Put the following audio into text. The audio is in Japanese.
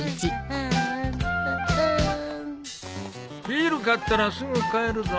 ビール買ったらすぐ帰るぞ。